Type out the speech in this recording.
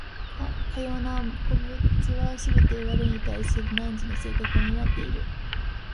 かような個物はすべて我に対する汝の性格を担っている。